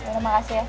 ya makasih ya